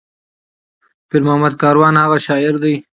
پير محمد کاروان هغه شاعر دى